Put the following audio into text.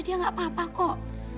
dia gak apa apa kok